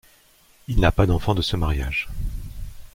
Il n’a pas d’enfant de ce mariage.